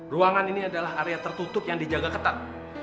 ruangan ini adalah area tertutup yang dijaga ketat